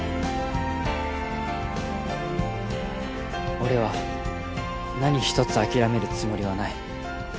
俺は何一つ諦めるつもりはない。